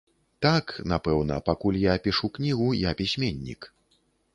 Так, напэўна, пакуль я пішу кнігу, я пісьменнік.